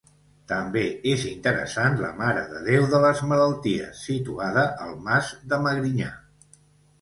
També és interessant la Mare de Déu de les Malalties, situada al Mas de Magrinyà.